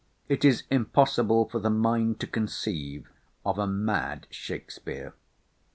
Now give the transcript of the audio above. It is impossible for the mind to conceive of a mad Shakspeare.